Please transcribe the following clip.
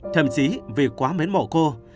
thậm chí vì quá mến mộ cô